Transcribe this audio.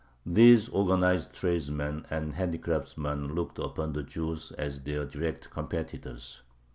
These organized tradesmen and handicraftsmen looked upon the Jews as their direct competitors.